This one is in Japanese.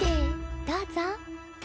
どうぞ。